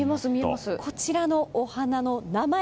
こちらのお花の名前